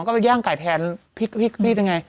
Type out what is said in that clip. ก็ไปย่างไก่แทนพลิกพลิกนี่ได้ไง